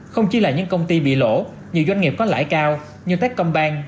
không chỉ là những công ty bị lỗ nhiều doanh nghiệp có lãi cao như techcombank